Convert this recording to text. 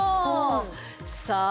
さあ